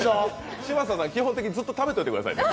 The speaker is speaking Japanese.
嶋佐さん、基本的にずっと食べててくださいね。